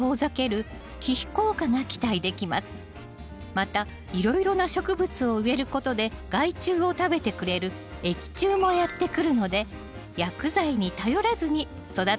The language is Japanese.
またいろいろな植物を植えることで害虫を食べてくれる益虫もやって来るのでが集まる。